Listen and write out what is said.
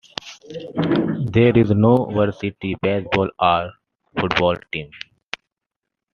There is no varsity baseball or football team.